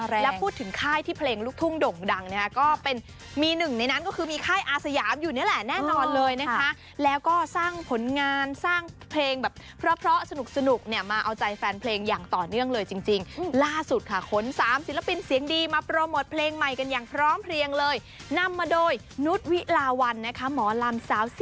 แล้วพูดถึงค่ายที่เพลงลูกทุ่งด่งดังนะคะก็เป็นมีหนึ่งในนั้นก็คือมีค่ายอาสยามอยู่นี่แหละแน่นอนเลยนะคะแล้วก็สร้างผลงานสร้างเพลงแบบเพราะสนุกเนี่ยมาเอาใจแฟนเพลงอย่างต่อเนื่องเลยจริงล่าสุดค่ะขน๓ศิลปินเสียงดีมาโปรโมทเพลงใหม่กันอย่างพร้อมเพลียงเลยนำมาโดยนุษย์วิลาวันนะคะหมอลำสาว